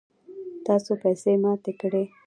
تاسو پیسی ماتی کړئ